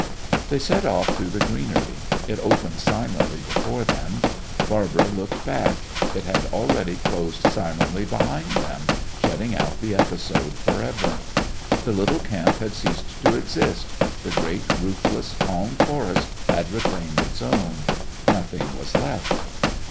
They set off through the greenery. It opened silently before them. Barbara looked back. It had already closed silently behind them, shutting out the episode forever. The little camp had ceased to exist; the great, ruthless, calm forest had reclaimed its own. Nothing was left.